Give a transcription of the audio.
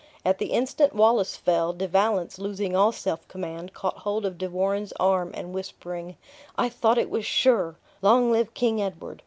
At the instant Wallace fell, De Valence, losing all self command, caught hold of De Warenne's arm, and whispering, "I thought it was sure long live King Edward!"